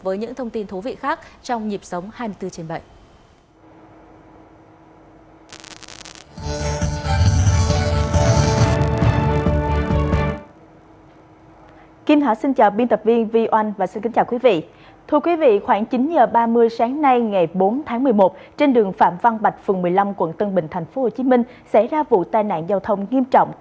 với những thông tin thú vị khác trong nhịp sống hai mươi bốn h bảy